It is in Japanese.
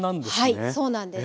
はいそうなんです。